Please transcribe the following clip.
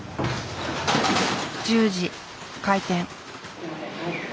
１０時開店。